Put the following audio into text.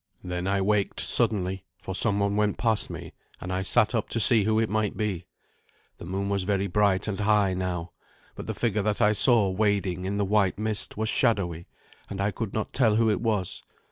Then I waked suddenly, for someone went past me, and I sat up to see who it might be. The moon was very bright and high now, but the figure that I saw wading in the white mist was shadowy, and I could not tell who it was.